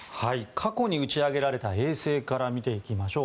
過去に打ち上げられた衛星から見ていきましょう。